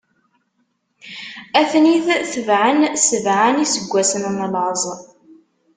Ad ten-id-tebɛen sebɛa n iseggwasen n laẓ.